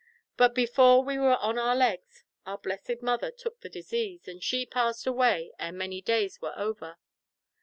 But before we were on our legs, our blessed mother took the disease, and she passed away ere many days were over.